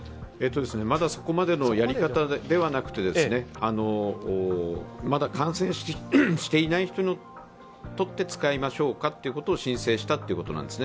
まだそこまでのやり方ではなくてまだ感染していない人に使いましょうかということを申請したということなんですね。